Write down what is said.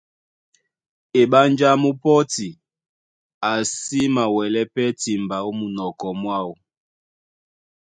Eɓánjá mú pɔ́ti, a sí mawɛlɛ́ pɛ́ timba ó munɔkɔ mwáō,